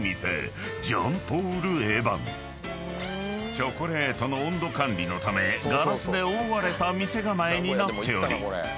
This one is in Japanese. ［チョコレートの温度管理のためガラスで覆われた店構えになっており］